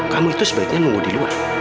kamu itu sebaiknya nunggu di luar